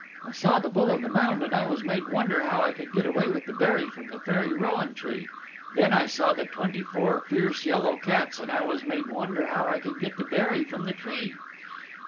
I saw the Bull of the Mound and I was made wonder how I could get away with the berry from the Fairy Rowan Tree. Then I saw the twenty four fierce yellow cats and I was made wonder how I could get the berry from the tree.